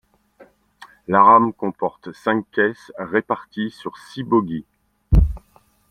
La rame comporte cinq caisses réparties sur six bogies.